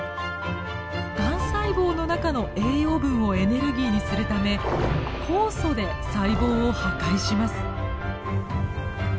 がん細胞の中の栄養分をエネルギーにするため酵素で細胞を破壊します。